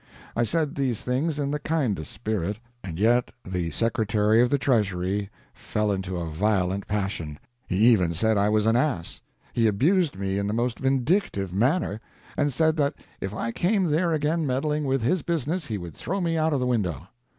I said these things in the kindest spirit, and yet the Secretary of the Treasury fell into a violent passion. He even said I was an ass. He abused me in the most vindictive manner, and said that if I came there again meddling with his business he would throw me out of the window.